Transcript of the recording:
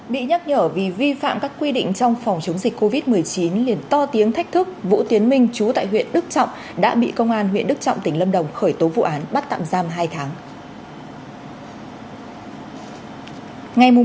bị nhắc nhở vì vi phạm các quy định trong phòng chống dịch covid một mươi chín liền to tiếng thách thức vũ tiến minh chú tại huyện đức trọng đã bị công an huyện đức trọng tỉnh lâm đồng khởi tố vụ án bắt tạm giam hai tháng